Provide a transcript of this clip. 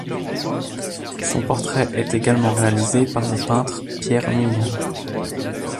Son portrait est également réalisé par le peintre Pierre Mignard.